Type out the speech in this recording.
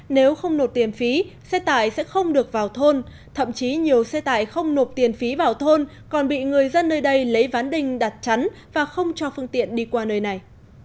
nếu không nộp tiền phí xe tải sẽ không được vào thôn thậm chí nhiều xe tải không nộp tiền phí vào thôn còn bị người dân nơi đây lấy ván đình đặt chắn và không cho phương tiện đi qua nơi này